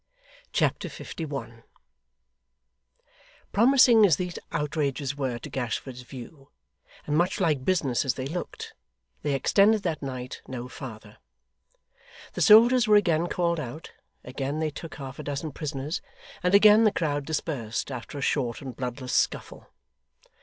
Chapter 51 Promising as these outrages were to Gashford's view, and much like business as they looked, they extended that night no farther. The soldiers were again called out, again they took half a dozen prisoners, and again the crowd dispersed after a short and bloodless scuffle.